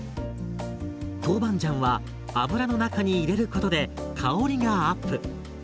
トウバンジャンは油の中に入れることで香りがアップ。